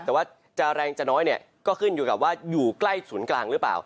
แต่ว่าจะแรงจะน้อยเนี่ยก็ขึ้นอยู่กับว่าอยู่ใกล้ศูนย์กลางหรือเปล่า